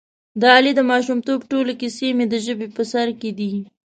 د علي د ماشومتوب ټولې کیسې مې د ژبې په سر کې دي.